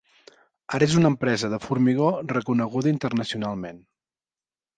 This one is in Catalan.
Ara és una empresa de formigó reconeguda internacionalment.